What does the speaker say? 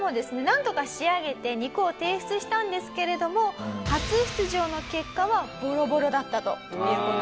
なんとか仕上げて肉を提出したんですけれども初出場の結果はボロボロだったという事なんですよね。